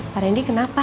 pak rendy kenapa